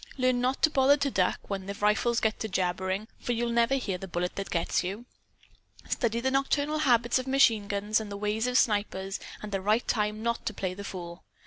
Learn not to bother to duck when the rifles get to jabbering for you'll never hear the bullet that gets you. Study the nocturnal habits of machine guns and the ways of snipers and the right time not to play the fool.